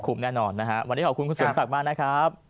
แน่นอนนะฮะวันนี้ขอบคุณคุณเสริมศักดิ์มากนะครับ